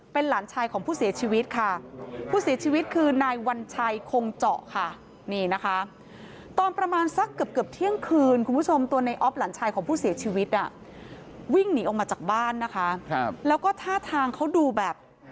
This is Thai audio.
เป็นหลานชายของผู้เสียชีวิตค่ะผู้เสียชีวิตคือไนวันชายคงเจาะค่ะ